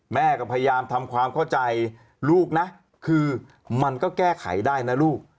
แม่ก็พยายามทำความเข้าใจลูกนะคือมันก็แก้ไขได้นะลูก